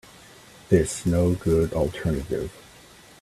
This no good alternative.